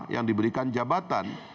yang diberikan jabatan